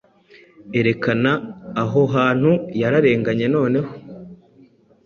Erekana aho hantu yara renganye noneho